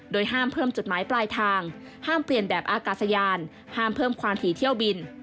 ห้ามเพิ่มจุดหมายปลายทางห้ามเปลี่ยนแบบอากาศยานห้ามเพิ่มความถี่เที่ยวบิน